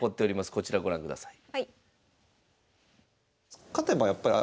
こちらご覧ください。